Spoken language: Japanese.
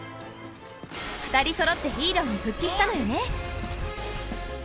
２人そろってヒーローに復帰したのよね。